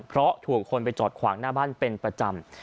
เพราะถูกคนไปจอดขวางหน้าบ้านเป็นประจำ